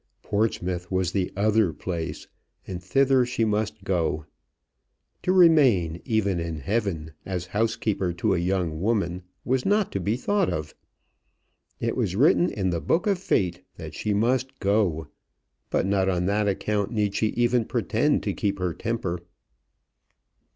Portsmouth was the other place, and thither she must go. To remain, even in heaven, as housekeeper to a young woman, was not to be thought of. It was written in the book of Fate that she must go; but not on that account need she even pretend to keep her temper.